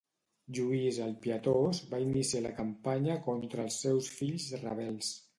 Lluís el Pietós va iniciar la campanya contra els seus fills rebels.